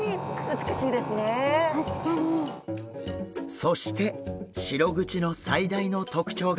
そしてシログチの最大の特徴が。